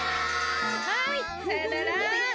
はいさよなら。